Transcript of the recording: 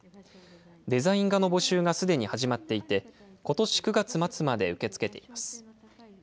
デザイン画の募集がすでに始まっていて、ことし９月末まで受け付けています。